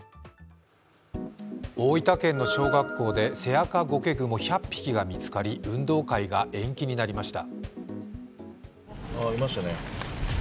大分県の小学校でセアカゴケグモ１００匹が見つかり、運動会が延期になりました。